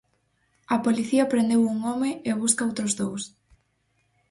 A policía prendeu un home e busca outros dous.